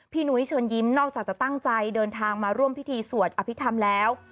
หนุ้ยเชิญยิ้มนอกจากจะตั้งใจเดินทางมาร่วมพิธีสวดอภิษฐรรมแล้ว